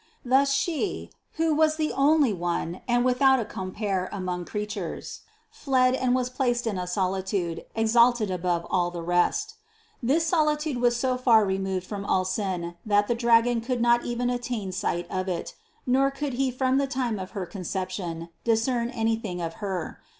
Thus, She who was the only One and without a compeer among crea tures, fled and was placed in a solitude exalted above all the rest. This solitude was so far removed from all sin that the dragon could not even attain sight of it, nor could he from the time of her Conception discern any thing of Her.